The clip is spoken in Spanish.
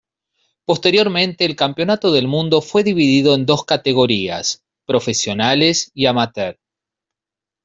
Posteriormente el campeonato del mundo fue dividido en dos categorías: profesionales y amateur.